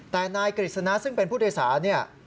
แต่นายกฤษณะซึ่งเป็นผู้โดยสารเนี่ย